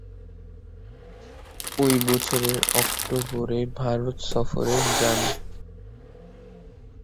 ঐ বছরের অক্টোবরে ভারত সফরে যান।